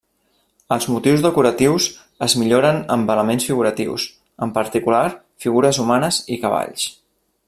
Els motius decoratius es milloren amb elements figuratius, en particular figures humanes i cavalls.